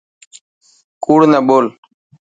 ڪوڙ نه ٻول.